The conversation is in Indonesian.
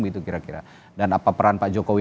itu kira kira dan apa peran pak jokowi